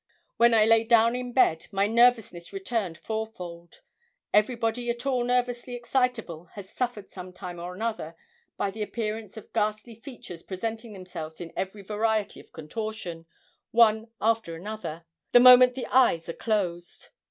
When I lay down in bed my nervousness returned fourfold. Everybody at all nervously excitable has suffered some time or another by the appearance of ghastly features presenting themselves in every variety of contortion, one after another, the moment the eyes are closed.